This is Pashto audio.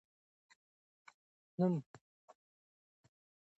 د نورو لیکنې هم ولولئ.